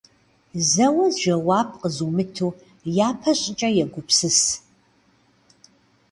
Зэуэ жэуап къызумыту, япэ щӏыкӏэ, егупсыс.